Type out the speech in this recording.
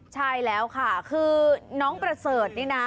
ใช่แล้วค่ะคือน้องประเสริฐนี่นะ